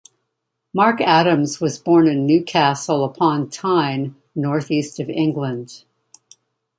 Mark Adams was born in Newcastle upon Tyne, North East of England.